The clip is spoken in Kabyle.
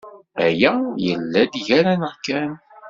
Aya yella-d gar-aneɣ kan.